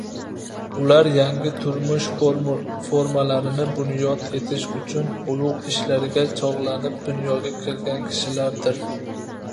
ular yangi turmush formalarini bunyod etish uchun ulug‘ ishlarga chog‘lanib, dunyoga kelgan kishilardir.